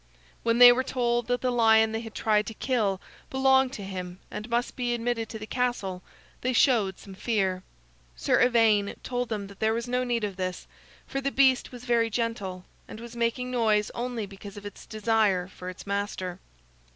When they were told that the lion they had tried to kill belonged to him and must be admitted to the castle, they showed some fear. Sir Ivaine told them that there was no need of this, for the beast was very gentle, and was making noise only because of its desire for its master.